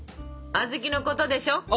あずきのことでしょ？